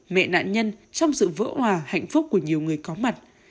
mẹ nạn nhân trong sự vỡ hòa hạnh phúc của nhiều người có mặt